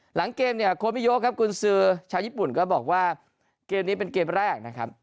หลังเกมเนี่ยโคมิโยครับกุญสือชาวญี่ปุ่นก็บอกว่าเกมนี้เป็นเกมแรกนะครับ